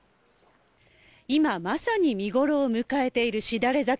今まさに見ごろを迎えている、しだれ桜。